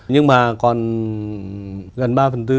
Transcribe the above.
nhưng mà còn gần ba bốn